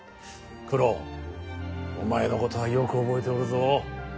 九郎お前のことはよく覚えておるぞ。